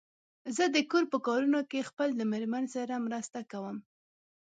زه د کور په کارونو کې خپل د مېرمن سره مرسته کوم.